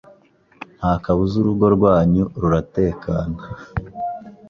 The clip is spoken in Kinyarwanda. nta kabuza urugo rwanyu ruratekana.